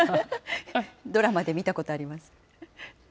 ドラマで見たことあります。